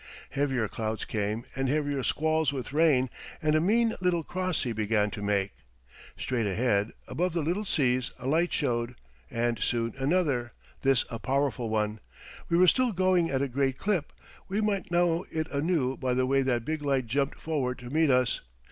Heavier clouds came, and heavier squalls with rain; and a mean little cross sea began to make. Straight ahead, above the little seas a light showed, and soon another this a powerful one. We were still going at a great clip. We might know it anew by the way that big light jumped forward to meet us.